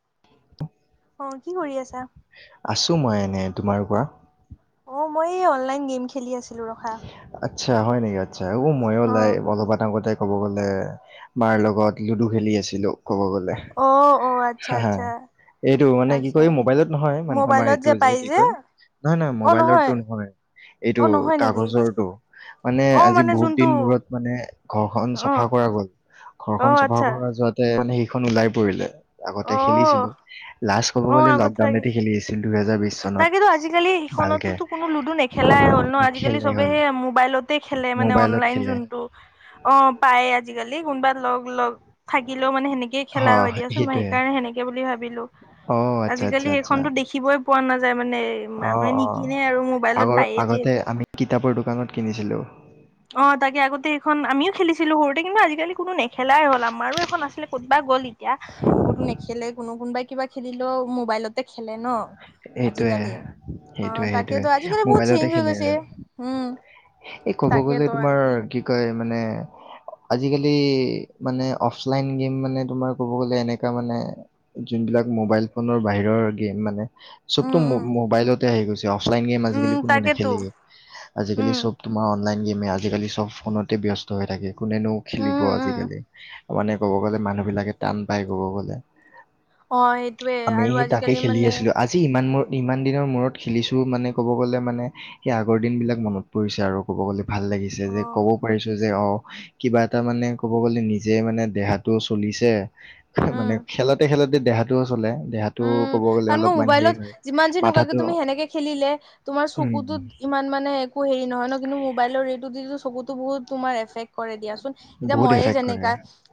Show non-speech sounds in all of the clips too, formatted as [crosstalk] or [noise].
[unintelligible] অ কি কৰি আছা? ছো মই এনেই। তোমাৰ কোৱা? অ মই এই অনলাইন গেম খেলি আছো। আত্চ্ছা হয় নেক অ মইও অ যায় অলপ এটা কথা ক'ব গ'লে মাৰ লগত লুডু খেলি আছিলোঁ। ক'ব গলে অ অ আচ্ছা হা হা আচ্ছা এইটো মানে কি আচ্ছা কয় মোবাইলত নহয় মানে আমাৰ এইটো যে কি কয় নহয় নহয় মোবাইলতটো নহয় এইটো অ নহয় নেকি কাগজৰ টো মানে অ আজি বহুত যোনটো দিন মূৰত মানে ঘৰখন অ চফা কৰা গ'ল। অ ঘৰখন চফা আচ্ছা কৰা যোৱাতে মানে এখন ওলাই পৰিলে। আগতে অ খেলিছিলো লাষ্ট ক'ব অ গ'লে আগতে তাকে লকডাউনতে খেলি আছিলো দুহেজাৰ বিশ চনত তাকেতো আজিকালি ভালকে, সেইখনতোতো কোনো লুডু নেখেলাই হ'ল। আজিকালি খেলেই হ'ল চবেহে মোবাইলতে খেলে মানে মোবাইলত অনলাইন খেলে। যোনটো অ পায়। কালি কোনবা লগ লগ থাগিলেও মানে সেনেকে খেলা অ' হয় দিয়াচোন মই সেইটোৱে। সেইকাৰণে সেনেকে বুলি ভাব বিলোঁ অ' আচ্ছা, আচ্ছা, আজিকালি আচ্ছা। সেইখনতো দেখিবই পোৱা নাযায়। মানে অ', মানুহে অ'। নিকিনে আৰু মোবাইলত আগৰ পায়েই আগতে যিহেতু আমি কিতাপৰ দোকানত কিনিছিলোঁ। অ তাকে আগতে এইখন আমিও খেলিছিলো সৰু কিন্তু আজিকালি কোনো নেখেলাই হ'ল আমাৰো এখন আছিলে ক'তবা গ'ল এতিয়া এইবোৰতো নেখেলে কোনো কোনোবাই কিবা খেলিলেও মোবাইলত খেলে ন সেইটোৱে, আজিকালি অ সেইটোৱে, সেইটোৱে। তাকেতো আজিকালি বহুত মোবাইলতে চেঞ্জ হৈ খেলে গৈছে, আৰু। হম। এই ক'ব গ'লে তোমাৰ কি কয় মানে আজিকালি মানে অফলাইন গেম মানে তোমাৰ ক'ব গ'লে এনেকা মানে যোনবিলাক মোবাইল ফোনৰ বাহিৰৰ গেম মানে চবতো উম মো উম মোবাইলত আহি গৈছে কিয় অফ গেম আজি উম তাকেতো কালি। আ উম আজিকালি চব ফোনতে ব্য্স্ত হৈ থাকে কোনেনোও খেলিব উম উম। আজিকালি মানে ক'ব গলে মানুহ বিলাকে টান পায় ক'ব গ'লে। অ সেইটোয়ে আমি আৰু সেই আজিকালি। তাকে খেলি মানে আছিলো আজি ই মূ ইমান দিনৰ মূৰত খেলিছো মানে ক'ব গ'লে মানে সেই আগৰ দিনবিলাক মনত পৰিছে আৰু ক'ব গ'লে। ভাল লাগিছে অ যে ক'ব পাৰিছো। যে অ কিবা এটা মানে ক'ব গ'লে নিজে মানে দেহাটো চলিছে। উম। মানে খেলতে খেলতে। দেহাতটোও চলে। দেহাটো। উম, ক'ব গ'লে কাৰণ ক অলপমান হেৰি মোবাইলত, হয় যিমান যেনেকুৱাকে মাথাটো তুমি সেনেকে খেলিলে তোমাৰ উম চকুত ইমান মানে একো হেৰি নহয় ন কিন্তু মোবাইলৰ ৰেটো দি চকুত। বহুত তোমাৰ এফে্ক। কৰে দিয়াচোন এতিয়া বহুত মইয়ে এফেক্ট কৰে যেনেকা,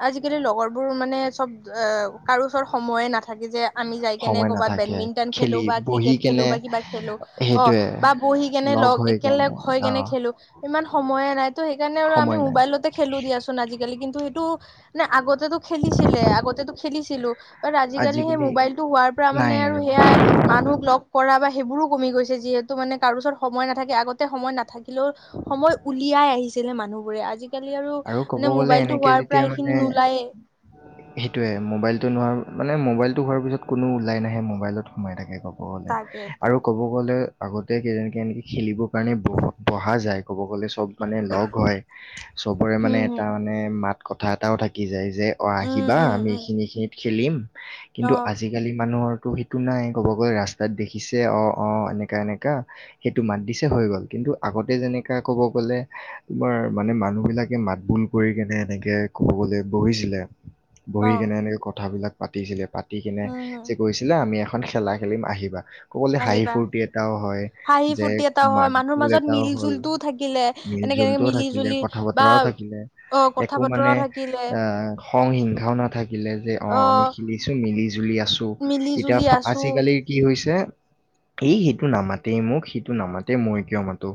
আজিকালি লগৰ বোৰ মানে চব অ কাৰো ওচৰত সময়ে নাথাকে যে। আমি যাই কেনে সময় কৰ'বাত নাথাকে বেডমিণ্টন খেলো খেলি বা বহি ক্ৰিকেট খেলো কেনে বা কিবা খেলো অ সেইটোয়ে বা বহি কেনে লগ হৈ কেনে একেলগ হৈ অ কেনে খেলো ইমান সময়ে নাই। ত সেইকাৰণে আৰু আমি সময় নাই মোবাইলতে খেলো দিয়াচোন আজিকালি কিন্তু সেইটো, নে আগতেো খেলিছিলে আগতেো খেলিছিলো বাট আজিকালি সেই। মবাইলটো হোৱাৰ পৰা মানে, আৰু সেয়া মানুহক লগ কৰা বা। সেইবোৰো কমি গৈছে যিহেতু মানে কাৰো ওচৰত সময় নাথাকে আগতে সময় নাথাকিলেও সময় উলিয়াই আহিছিলে মানুহ বোৰে আজি। আৰু ক'ব গলে এনেকে যেতিয়া সেইখিনি মানে, নোলায়ে। সেইটোয়ে মোবাইলতটো নোৱাৰ। মানে মোবাইলটো হোৱাৰ পিছত কোনো ওলাই নাহে মোবাইত সোমাই থাকে ক। ক'বলে তাকেইতো। আৰু ক'ব গলে। আগতে কেইজকে এনেকে খেলিবৰ কাৰণে ব বহা যায় ক'ব গ'লে। চব মানে লগ হয়। এ উম হুম মানে। মাত কথা এটাও থাকি যায়। যে অ উম আহিবা উম আমি উম এইখিনি খিনিত। খিলিম। অ কিন্তু আজিকালি মানুহৰ। ত' সেইটো নাই ক'ব গ'লে ৰাস্তাত দেখিছে অঁ অঁ এনেকুৱা এনেকা সেইটো মাত দিছে হৈ গ'ল কিন্তু আগতে যেনেকুৱা ক'ব গ'লে তোমাৰ মানে ম। বিলাকে মাত বোুল কৰি কেনে এনেকে খুৱাবলৈ বহিছিলে। অ বহি কেনে এনেকে কথাবিলাক। পাতিছিলে পা। দি কিনে উম হুম যে কৈছিলে আমি। খন খেলা খেলিম আহিবা ক'বলে হাঁহি আহিবা ফূুৰ্তি এটাও হয় হাঁহি যে ফূৰ্তি এটা হয় মাত মানুহৰ জোল মাজত এটাও মিল হল জুলটোও থাকিলে মিল এনেকে এনেকে জোলটোও মিলি থাকিলে জুলি [unintelligible] কথা বা বতৰাও থাকিলে অ কথা একো বতৰা মানে থাকিলে অ খ হিংসাও নাথাকে লিলে যে অ আমি খেলিছো মিলি জুলি আছো মিলি এতিয়া জুলি আছো আজিকালিৰ কি হৈছে এই সেইটো নামাতেই মোক সিটো নামাতে মই কিয় মাতে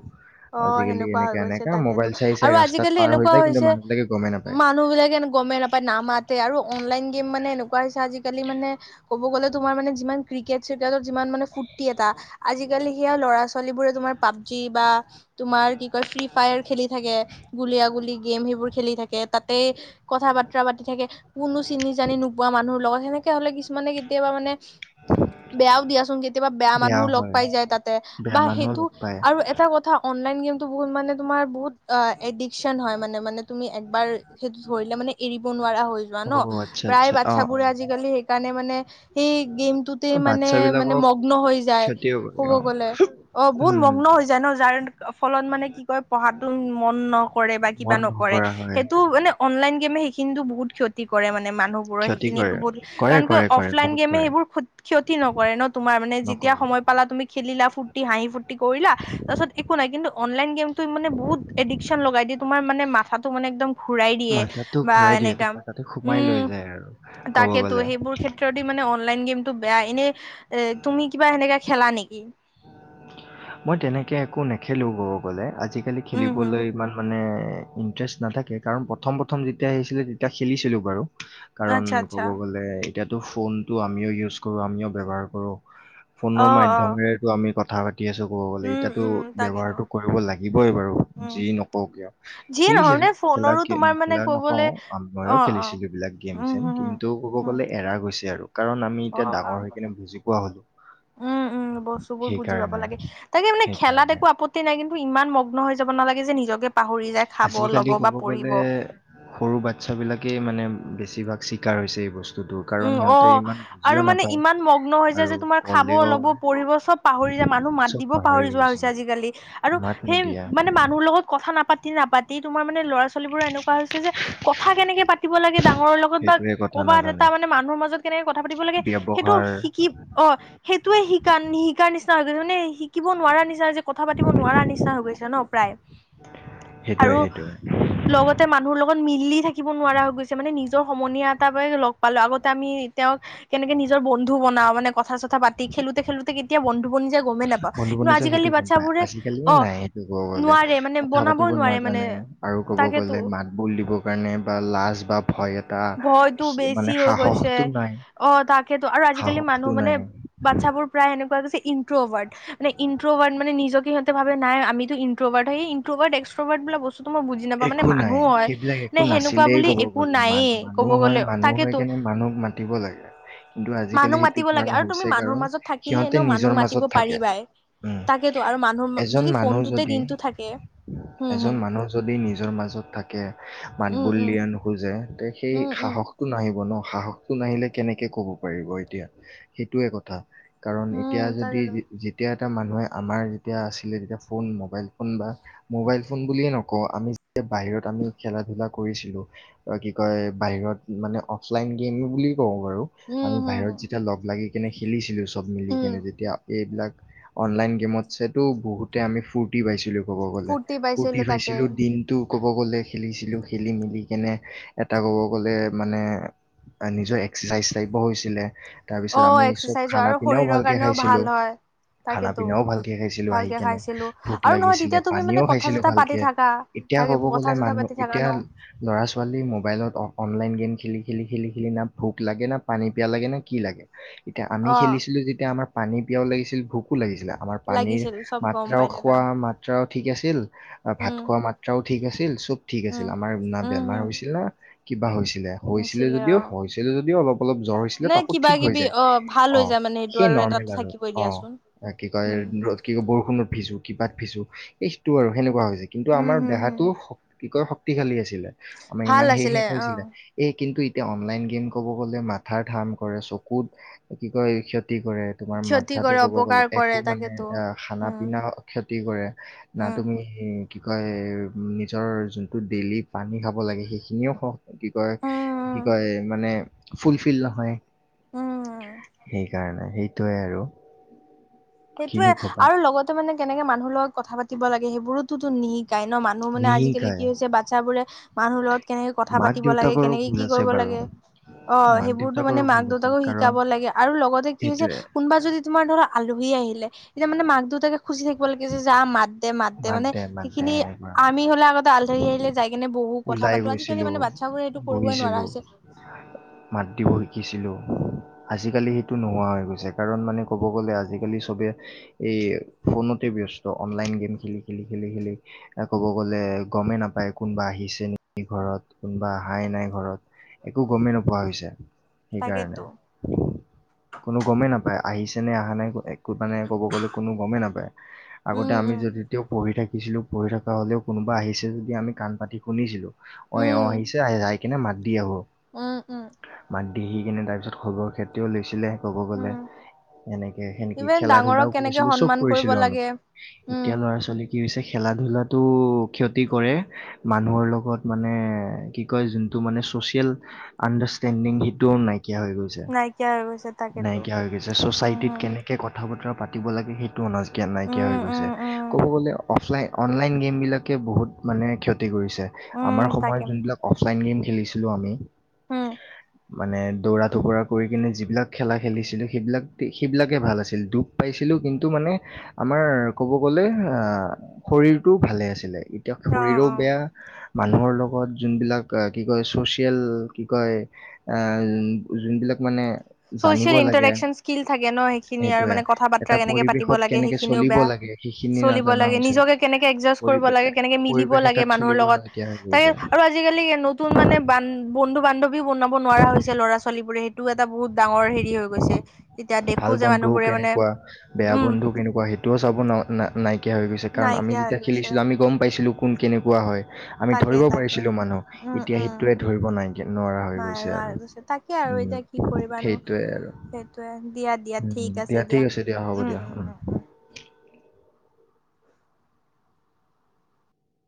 অ আজিকালি সেনেকুৱা এনে হৈ গৈছে এনেকা তাকেতো মোবাইল চাই চাই আৰু ৰাস্তাত আজিকালি পাৰ হৈ এনেকুৱা যায় কিন্তু হৈছে মানুহবিলাকে গমেই নাপায় মানুহ বিলাকে গমেই নাপায় নামাতে আৰু অনলাইন গেম মানে এনেুৱা আজিকালি মানে ক'ব গ'লেও তোমাৰ মানে যিমান ক্ৰিকেট শৰ যিমান মান ফুৰ্তি এটা আজিকালি সেয়া ল'ৰা ছোৱালীবোৰ তোমাৰ পাবজি বা তোমাৰ কি কয় ফ্ৰী ফায়াৰ খেলি থাকে গুলিয়াগুলী গেম সেইবোৰ খেলি থাকে তাতে কথা বাতা পাতি থাকে কোনো চিনি জানি নোপোৱা মানুহৰ লগত সেনেকে হলে কিু মানে কেতিয়াবা মানে বেয়াও দিয়াচোন কেতিয়াবা বেয়া মানুহো লগ পাই যায় তাতে বেয়া বা মানুহো সেইটো লগ পায় আৰু এটা কথা অনলাইন গেমটো বহুতানে তোমাৰ বহুত অ এডিকচন হয় মানে মানে তুমি একবাৰ সেইটো ধৰিলে মানে এৰিব নোৱাৰা হৈ যোৱা ন অ' আচ্ছা প্ৰায় আচ্ছা বাচ্ছ অ' বোৰে অ' আজিকালি সেইকাৰণে মানে সেই গেমটোতে মানে মানে বাচ্ছাবিলাকক মগ্ন হৈ যায় ক্ষতিও কৰে ক'ব অ' গ'লে অ বহুত উম, মগ্ন হৈ যায় ন যাৰ ফলত মানে কি কয় পঢ়াতটো মন নকৰে বা কিবা মন নকৰে নকৰা হয় সেইটো মানে অনলাইন গেমে শ কিন্তু বহুত ক্ষতি কৰে মানে মানুহবোৰৰ ক্ষতি সেইখিনিতো কৰে বহুত কৰে কাৰণ ক কৰে কৰে অফলাইন বহুত গেমে কৰে সেইবোৰ ক্ষতি নকৰে ন তোমাৰ মানে যেতিয়া নকৰে সময় পালা তুমি খেলিলা ফুৰ্তি হাঁহি ফূুৰ্তি কৰিলা তাৰপিছত নাই কিন্তু অনলাই বহুত এডিকচন লগাই দিয়ে তোমাৰ মানে মাঠাটো মানে একদম ঘূৰাই দিয়ে মাথাটো বা ঘূৰাই দিয়ে এনেকা তোমাৰ তাতে সোমাই লৈ উম যায় আৰু ক'ব তাকেইতো গ'লে সেইবোৰ ক্ষেত্ৰদি মানে অনলাইন গেমটো টো বেয়া এনেই এ তুমি কিবা সেনেকাে খেলা নেকি মই তেনেকে একো নেখেলো ক'ব গ'লে আজি আজিকালি উম হম খেলিবলৈ ইমান মানে ইণ্টাৰেষ্ট নাথাকে কাৰণ প্ৰথম প্ৰথম যেতিয়া আহিছিলে তেতিয়া খেলিছিলো বাৰু কাৰণ আচ্ছা আচ্ছা ক'ব গ'লে এটো ফোনটো আমিও ইউজ কৰো আমিও ব্যৱহাৰ কৰো ফোনৰ অ অ মাধ্যমেৰেতো আমি কথা কথা পাতি [unintelligible] শিকি আছো ক'ব গ'লে উম ইয়াতো উম তাকেতো ব্যৱহাৰটো কৰিব লাগিবই বাৰু উম যি নকওঁ কিয় যিয়ে নহয় মানে খেলিছিলো খেলা ফোনৰো ক তোমাৰ মানে খেলা কবলে নকওঁ অ ময়ো অ খেলিছিলো এইবিলাক গেম উম চেম হম হম কিন্তু ক'ব হম গ'লে এৰা গৈছে আৰু কাৰণ আমি অ এতিয়া অ ডাঙৰ হৈ কিনে বুজি পোৱা হলো উম উম বস্তুবোৰ বুজি পাব সেইকাৰণে লাগে তাকে মানে খেলাত সেইকাৰণে। একো আপত্তি নাই কিন্তু। ইমান মগ্ন হৈ যাব নালাগে যে নিজকে পাহৰি যায় খাব আজিকালি ল'ব বা ক'ব গলে পঢ়িব সৰু বাচ্ছা বিলাকেই মানে বে বেছিভাগ চিকাৰ হৈছে এই বস্তু। উম অ আৰু মানে ইমান মগ্ন হৈ যায় আৰু যে তোমাৰ খাব, ক'লেও ল'ব, পঢ়িব চব পাহৰি যায় মানুহ চব মাতিব পাহৰি যোৱা গৈছে হৈছে আজিকালি আৰু মাত সেই নিদিয়া মানে মানুহৰ লগত কথা নাপাতি নাপাতি তোমাৰ মানে ল'ৰা ছোৱালীবোৰ এনেকুৱা হৈছে যে কথা কেনেকে পাতিব লাগে ডাঙৰ লগত বা সেইটোৱে কথা ক'বাত এটা নাজানে তাৰ মানে মানুহৰ মাজত কেনেকে কথা পাতিব লাগে সেইটো ব্যৱহাৰ শিকি অ সেইটোয়ে শিকা নিশিকাৰ নিচিনা হৈ গৈছে মানে। শিকিব নোৱাৰা নিচিনা যে কথা পাতিব নোৱাৰা নিচিনা হৈ গৈছে ন প্ৰায় সেইটোৱে আৰু সেইটোৱে লগতে মানুহৰ লগত মিলি থাকিব নোৱাৰা হৈ গৈছে মানে নিজৰ সমনীয়া এটা পাই লগ পালো আগতে আমি তেওঁক কেনেকে নিজৰ বন্ধু বনাও মানে মানে কথা চথা কথা পাতি খেলোতে খেলোতে কি কেৱন বন্ধু বানিচে সেইটো গম পাই। আজিকালি অ নাই সেইটো কব গলে নোৱাৰে মানে কথা বনাবই পাতিব নোৱাৰে মানে নাজানে আৰু কব গলে তাকেতো মাত বল দিবৰ কাৰণে বা লাজ বা ভয়ত ভয়তো বেছি হৈ গৈছে নাই অ তাকেতো আৰু আজিকালি মানুহ সাহসটো মানে নাই বাচ্ছাবোৰ প্ৰায় সেনেকুৱা [unintelligible] ইট্ৰবাড মানে ইনট্ৰবাৰ্ড মান নিজ সিহঁতে ভাবে নাই আমি ইনট্ৰবাড হয়। ইনট্ৰবাড এক্সট্ৰবাদ বোলা বস্তুটো মই বুজি বুজি নেপাওঁ মানে একো নাই মানুহ হয় সেইবিলাক নে একো সেনেকুৱা নাছিলেই বুলি ক'ব একো গ'লে মান নায়েই। ক'ব মানুহ হয় গ'লে মানুহ হয় তাকেতো কেনে মানুহক মাতিব লাগে কিন্তু মানুহ আজিকালি সেইটো মাতিব কাৰ লাগে আৰু তুমি হৈছে মানুহৰ কাৰণ মাজত থাকিলে সিহঁতে এনেও মানুহ নিজৰ মাতিব মাজত থাকে পাৰিবাই উম তাকেতো আৰু মানুহ এজন যদি মানুহ ফোনটোতে যদি দিনটো থাকে হম এজন হম মানুহ। নিজৰ মাজত থাকে মাত উম বুল উম দিব নোখোজে। তেওঁ তে সেই উম উম সাহসটো নাহিব ন। সাহসটো নাহিলে কেনেকে কব পাৰিব এতিয়া সেইটোয়ে কথা। কাৰণ উম এতিয়া যদি তাকেতো যেতিয়া এতিয়া মানুহে আমাৰ যেতিয়া আছিলে তেতিয়া ফোন মোবাইল ফোন বা মোবাইল ফোন বুলিয়ে নক আক আমি যে বাহিৰত আমি খেলা ধূলা কৰিছিলো কি কয় বাহিৰত মানে অফলাইন গেম বুলি? কওঁ বাৰু উম আমি হম বাহিৰত হম যেতিয়া লগ লাগি কিনে খেলিছিলো চব উম মিলিকিনে যেতিয়া এইবিলাক অনলাইন গেমতছেতো বহুতে আমি ফূৰ্তি পাইছিলোঁ। ফূৰ্তি পাইছিলো তাকে ছিলো দিনটো ক'ব গ'লে খেলিছিলো খেলি মেলি কেনে এটা ক'ব গ'লে মানে নিজৰ এক্সাৰচাইজ টাইপ হৈছিলে [unintelligible] তাৰ অ পিছত আমি চব এক্সাৰচাইজ হয় খানা আৰু পিনাও শৰীৰৰ ভালকে কাৰণেও ভাল খাইছিলো হয় খানা তাকেতো পিনাও ভালকে খাইছিলো আহি ভালকে কেনে খাইছিলো ভোক আৰু নহয় লাগিছিলে তেতিয়া তুমি মানে পানীও কথা খাইছিলো চথা ভালকে [unintelligible] পাতি থাকা এতিয়া তাকে কব কথা গ'লে চথা মানুহ পাতি থাকা এতিয়া ন ল'ৰা ছোৱালী মোবাইলত অনলাইন গেম খেলি খেলি খেলি খেলি না ভোক লাগে না পানী পিয়া লাগে না কি লাগে [unintelligible] এতিয়া আমি অ খেলিছিলো যেতিয়া আমাৰ পানী পিয়াও লাগিছিল ভোকো লাগিছিল আও [unintelligible] আমাৰ পানীৰ লাগিছিল চব গম মাত্ৰাও পাই থাকা খোৱা মাত্ৰাও ঠিক আছিল ভাত উম খোৱা মাত্ৰাও ঠিক আছিল চব ঠিক উম আছিল আমাৰ না উম বেমাৰ হম হৈছিল না [unintelligible] কিবা হৈছে হৈছিলে যদিও হৈছিলে যদিও অলপ অলপ জ্বৰ হৈছিলে নে তাকো কিবা ঠিক হৈ কিবি যায় অ ভাল অ হৈ যায় মানে সেইটো সেই আৰু নৰ্মেল এটাতো আৰু থাকিবই অ দিয়াচোন কি কয় উম কি কয় বৰষুণৰ ভিজু [unintelligible] কিবাত ফিছো এইটো আৰু সেনেকুৱা হৈছে কিন্তু উম আমাৰ হম হম দেহাটো কি কয় খালি আছে আমাৰ ভাল ইমান সেহে আছিলে অ কৈছিলে এই কিন্তু এয়া অনলাইন গেম ক'ব গ'লে মাথাৰ কাম কৰে চকুত কি কয়? কি কৰে তোমাৰ ক্ষতি মাথাটো কৰে ক'ব গ'লে অপকাৰ একো কৰে মানে তাকেতো খানা উম পিনা ক্ষেত্ৰত। ক্ষতি কৰে না উম তুমি কি কয় নিজৰ যোনটো ডেইলি পানী খাব লাগে সেইখিনিও কি কয় উম কি কয় মানে ফুলফিল নহয় উম সেইকাৰণে সেই সেইটোৱে আৰু সেইটোয়ে কিনো কবা আৰু লগতে মানে কেনেকে মানুহ লগত কথা পাতিব লাগে সেইবোৰোতো নিহিক - কাই ন মানুহ মানে আজিকালি কি নিশিকায় হৈছে বাচ্ছাবোৰে মানুহ লগত। কেনেকে কথা মাক পাতিব লাগে দেউতাকৰো কেনেকে ভুল কি আছে কৰিব বাৰু লাগে, অ মাক সেইবোৰতো মানে দেউতাকৰো মাক ভুল আছে দেউতাকো কাৰণ শিকাব লাগে আৰু লগতে কি হৈছে সেইটোৱে কোনোবা যদি তোমাৰ ধৰা আলু। আহিলে এতিয়া মানে মাক দেউতাকে খুচি থাকিব লাগে যো মাত। দে মাত দে মানে মাত দে সেইখিনি এনেকুৱা আমি হলে আগতে আলধাৰি আহিলে যাই কেনে বহু কথা ওলাই পাতো আজিকালি গৈছিলো মানে বাচ্ছাবোৰে এইটো কৰিবই নোৱাৰা বহিছিলো হৈছে। মাত দিব শিকিছিলো আজিকালি সেইটো নোহোৱা হৈ গৈছে কাৰণ মানে ক'ব গ'লে আজিকালি চবে এই ফোনতে ব্যস্ত অনলাইন গেম। খেলি খেলি খেলি খেলি, কব গলে গমেই নাপায় কোনোবা আহিছে নেকি ঘৰত কোনোবা হাই নাই ঘৰত একো গমেই নোপোৱা হৈছে। সেইকাৰণে তাকেতো কোনো গমেই নাপায়। আহিছেনে অহা নাই এক। মানে ক'ব গ'লে কোনো গমেই নাপায় আগতে উম আমি উম যদি। পঢ়ি থাকিছিলোঁঢ়ি থকা হ'লেও কোব আহিছে যদি আমি কাণ পাতি শুনিছিলোঁ। অ অ উম আহিছে আহ। কিনে মাত দি আহোঁ। উম উম। দিহি কিনে তাৰপিছত খবৰ খেতিও লৈছিলে। ক'ব গলে উম এনেকে সেনেকে ইভেন খেলা ডাঙৰক ধলাও কেনেকে কৰিছিলো চব সন্মান কৰিব কৰিছিলো আমি লাগে উম এতিয়া ল'ৰা ছোৱালী। কি হৈছে খেলা ধূলাটো ক্ষতি কৰে, মানুহৰ লগত মানে কি কয় যোনটো মানে ছ'চিয়েল আণ্ডাৰষ্টেণ্ডিং সেইটোও নাইয়। নাই হৈ গৈছে, নাইকিয়া হৈ গৈছে তাকেতো নাইকিয়া হৈ গৈছে উম চচাইটিত হম কেনেকে কথা বতৰা। পাতিব লাগে সেইটোজিকে নাইকিয়া হৈ উম গৈছে। উম উম ক'ব গ'লে অফলাইন অনলাইন গেম বিলাকে বহুত মানে ক। ছে উম আমাৰ সময়ত তাকে যোনবিলাক অফলাইন গেম। খেলিছিলোঁ আমি। উম মানে দৌৰা টুকুৰা কৰি কিনে যিবিলাক খেলা খেলিছিলোঁ সেইবিলাক সেইবিলাকে ভাল আছিল দুখ পাইছিলোঁ কিন্তু মানে, আমাৰ ক'ব গ'লে। অ শৰীৰটো ভালে আছিলে। এতিয়া অ শৰীৰো অ বেয়া। মানুহৰ লগত যোনবিলাক কি কয় ছ'চিয়েল কি কয়, যোনবিলাক মানে। জানিব চচিয়েল লাগে ইণ্টাৰেকন স্কিল থাকে ন সেইখিনি আৰু সেইটোয়ে মানে কথা বাতৰা এটা কেনেকে পাতিব পৰিৱেশত লাগে কেনেকে সেইখিনিও চলিব বেয়া। লাগে সেইখিনি চলিব নাজানা লাগে হৈছে নিজকে কেনেকে এডজাষ্ট কৰিব লাগে পৰিৱেশ কেনেকে মিলিব পৰিৱেশ এটাত লাগে মানুহৰ চলিব লগত, নাইকিয়া হৈ তাক গৈছে আৰু আজিকালি নতুন মানে বান। বন্ধু বান্ধৱীও বনাব নোৱাৰা হৈছে ল'ৰা ছোৱালী বোৰে সেইটোও এটা বহুত। ডাঙৰ হেৰি হৈ গৈছে। তেতিয়া দেখো ভাল যে বন্ধু মানুহবোৰে মানে কেনেকুৱা বেয়া উম বন্ধু কেনেকুৱা, সেইটোও চাব ন নাই। ইকীয়া হৈ গৈছে কাৰণ আমি নাইকিয়া হৈ যেতিয়া গৈছে খেলিছিলঁ আমি গম পাইছিলোঁ। আপোন কেনেকুৱা হয়। আমি তাকে ধৰিব তাকে পাৰিছিলো মানুহ, উম এতিয়া উম সেইটোৱে ধৰিব নাই নোৱাৰা হৈ নাই গৈছে নাই আৰু পিছে তাকে আৰু এতিয়া কি উম কৰিবানো সেইটোৱে আৰু। সেইটোয়ে দিয়া দিয়া ঠিক উম দিয়া ঠিক আছে দিয়া হ'ব উম দিয়া উম উম উম উ।